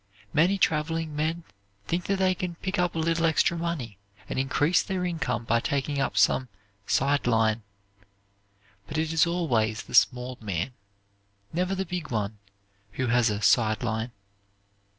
Many traveling men think that they can pick up a little extra money and increase their income by taking up some "side line." But it is always the small man, never the big one, who has a "side line."